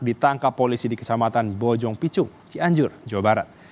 ditangkap polisi di kecamatan bojong picung cianjur jawa barat